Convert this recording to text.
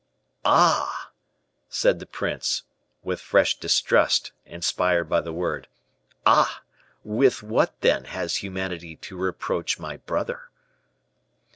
"Ah!" said the prince, with fresh distrust inspired by the word; "ah! with what, then, has humanity to reproach my brother?"